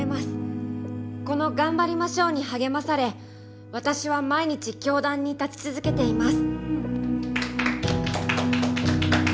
この「がんばりましょう」にはげまされ私は毎日教壇に立ちつづけています。